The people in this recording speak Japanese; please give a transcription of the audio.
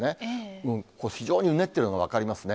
もう非常にうねっているのが分かりますね。